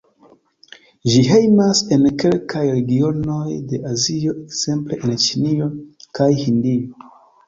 Ĝi hejmas en kelkaj regionoj de Azio, ekzemple en Ĉinio kaj Hindio.